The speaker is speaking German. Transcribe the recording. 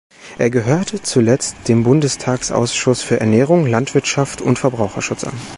Er gehörte zuletzt dem Bundestagsausschuss für Ernährung, Landwirtschaft und Verbraucherschutz an.